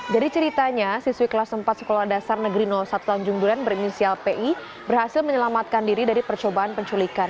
dari ceritanya siswi kelas empat sekolah dasar negeri satu tanjung duren berinisial pi berhasil menyelamatkan diri dari percobaan penculikan